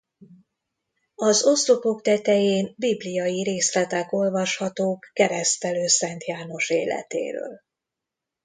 Az oszlopok tetején bibliai részletek olvashatók Keresztelő Szent János életéről.